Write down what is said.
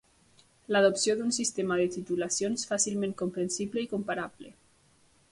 L'adopció d'un sistema de titulacions fàcilment comprensible i comparable